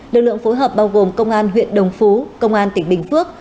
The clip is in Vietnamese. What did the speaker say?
lực lượng phối hợp bao gồm công an huyện đồng phú công an tỉnh bình phước